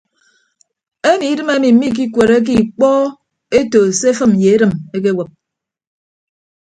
Emi idịm emi miikiwereke ikpọ eto se afịm ye edịm ekewịp.